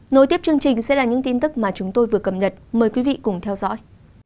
nối tiếp chương trình sẽ là những tin tức mà chúng tôi vừa cập nhật mời quý vị cùng theo dõi